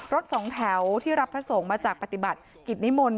สองแถวที่รับพระสงฆ์มาจากปฏิบัติกิจนิมนต์